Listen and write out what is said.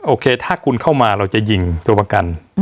โอเคถ้าคุณเข้ามาเราจะยิงตัวประกัน